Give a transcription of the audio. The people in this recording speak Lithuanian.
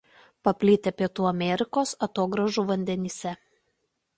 Paplitę Pietų Amerikos atogrąžų vandenyse.